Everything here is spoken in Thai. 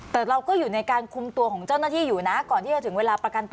แต่เราก็อยู่ในการคุมตัวของเจ้าหน้าที่อยู่นะก่อนที่จะถึงเวลาประกันตัว